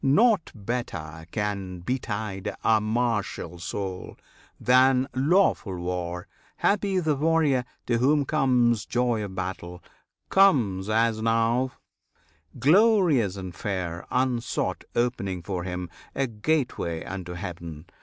Nought better can betide a martial soul Than lawful war; happy the warrior To whom comes joy of battle comes, as now, Glorious and fair, unsought; opening for him A gateway unto Heav'n.